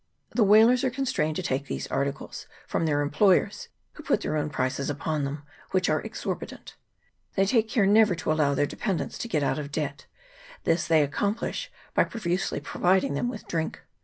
The whalers are constrained to take these articles from their em ployers, who put their own prices upon them, which are exorbitant. They take care never to allow their dependents to get out of debt ; this they ac complish by profusely providing them with drink.